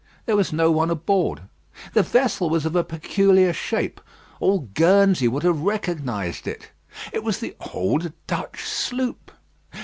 There was no one aboard. The vessel was of a peculiar shape. All Guernsey would have recognised it. It was the old Dutch sloop.